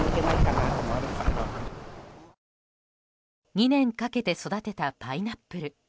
２年かけて育てたパイナップル。